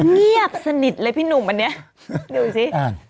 เงียบสนิทเลยพี่หนุ่มอันนี้ดูสิ